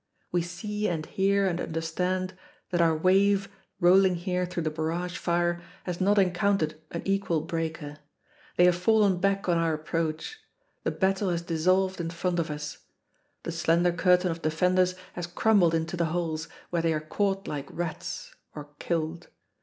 We see and hear and understand that our wave, rolling here through the barrage fire, has not encountered an equal breaker. They have fallen back on our approach. The battle has dissolved in front of us. The slender curtain of defenders has crumbled into the holes, where they are caught like rats or killed.